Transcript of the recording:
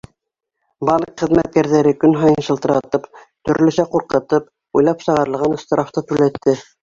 Банк хеҙмәткәрҙәре көн һайын шылтыратып, төрлөсә ҡурҡытып, уйлап сығарылған штрафты түләтте.